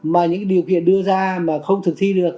mà những điều kiện đưa ra mà không thực thi được